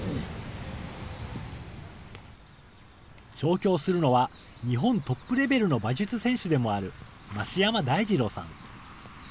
調教するのは、日本トップレベルの馬術選手でもある増山大治郎さん。